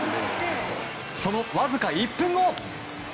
そのわずか１分後。